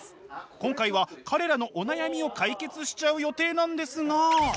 今回は彼らのお悩みを解決しちゃう予定なんですが。